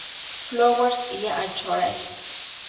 Flowers y Anchorage.